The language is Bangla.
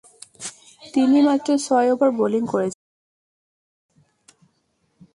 তিনি মাত্র ছয় ওভার বোলিং করেছিলেন।